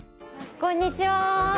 こんにちは。